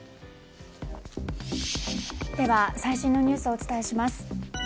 では最新のニュースをお伝えします。